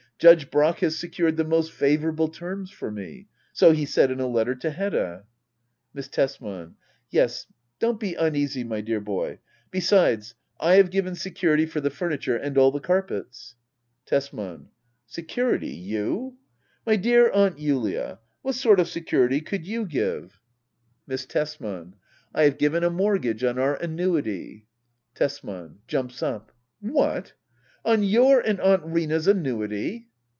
Judge Brack has secured the most favourable terms for me, — so he said in a letter to Hedda. Miss Tesman. Yes, don't be uneasy, my dear boy. — Besides, I have given security for the furniture and all the carpets. Tesman. Security ? You ? My dear Aunt Julia — what sort of security could you give ? Digitized by Google 16 HEDDA OABLBR. [aCT I. M188 Tesman. I have given a mortgage on our annuity. Tesman. [Jumps up.] What ! On your — and Aunt Rina's annuity!